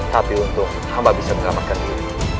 tapi untung amba bisa mengelamatkan diri